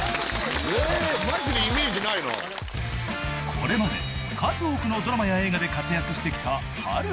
［これまで数多くのドラマや映画で活躍してきた波瑠さん］